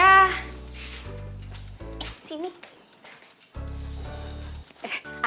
aden reva nya kemana